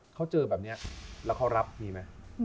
เขาเจอแบบนี้แล้วเขารับมีไหม